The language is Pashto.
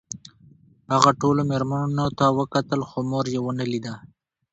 هغه ټولو مېرمنو ته وکتل خو مور یې ونه لیده